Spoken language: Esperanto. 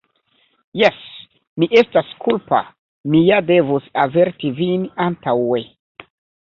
Jes, mi estas kulpa; mi ja devus averti vin antaŭe.